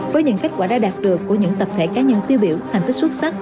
với những kết quả đã đạt được của những tập thể cá nhân tiêu biểu thành tích xuất sắc